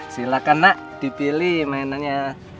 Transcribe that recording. silakan nak dipilih mainannya